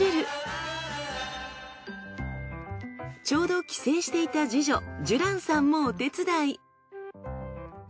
ちょうど帰省していた次女寿蘭さんもお手伝い。